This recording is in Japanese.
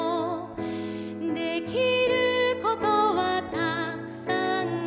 「できることはたくさんあるよ」